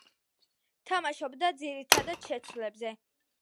თამაშობდა ძირითადად შეცვლებზე.